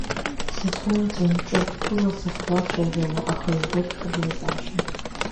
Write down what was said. Саҭоумҵан ҿырҭәыла сахьуацәажәауа, аха иубоит ҳҭагылазаашьа…